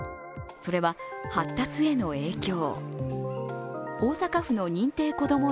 それは発達への影響。